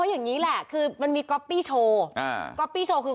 ใช่ล่าสุดนี่ออกมาบอกว่า